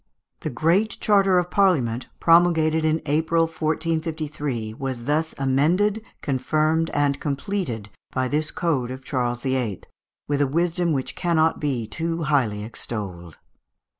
The great charter of the Parliament, promulgated in April, 1453, was thus amended, confirmed, and completed, by this code of Charles VIII., with a wisdom which cannot be too highly extolled.